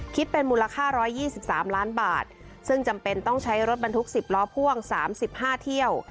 คิดเป็นมูลค่าร้อยยี่สิบสามล้านบาทซึ่งจำเป็นต้องใช้รถบรรทุกสิบล้อพ่วงสามสิบห้าเที่ยว